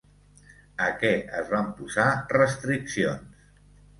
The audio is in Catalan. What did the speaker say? A què es van posar restriccions?